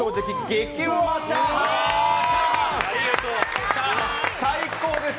激うまチャーハンです。